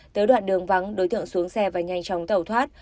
tới đoạn đường vắng đối tượng xuống xe và nhanh chóng tẩu thoát